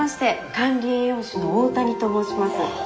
管理栄養士の大谷と申します。